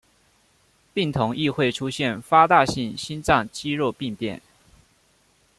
病童亦会出现发大性心脏肌肉病变。